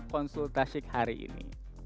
konsultasik hari ini